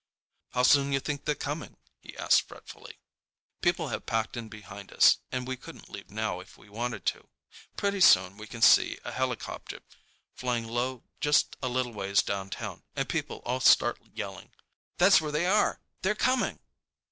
"How soon you think they're coming?" he asks fretfully. People have packed in behind us, and we couldn't leave now if we wanted to. Pretty soon we can see a helicopter flying low just a little ways downtown, and people all start yelling, "That's where they are! They're coming!"